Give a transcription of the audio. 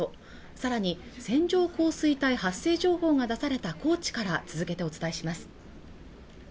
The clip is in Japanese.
さらに線状降水帯発生情報が出された高知から続けてお伝えします